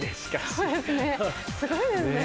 そうですねすごいですね。